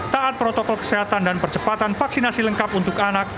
taat protokol kesehatan dan percepatan vaksinasi lengkap untuk anak